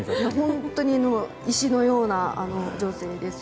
本当に石のような女性です。